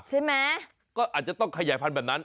ใช่ไหมก็อาจจะต้องขยายพันธุ์แบบนั้น